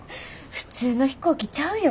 普通の飛行機ちゃうよ。